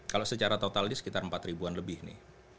kalau secara totalnya sekitar empat ribu lebih nih